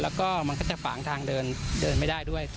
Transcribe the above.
แล้วก็มันก็จะฝางทางเดินไม่ได้ด้วย